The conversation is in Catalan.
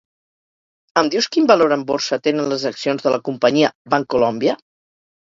Em dius quin valor en borsa tenen les accions de la companyia Bancolombia?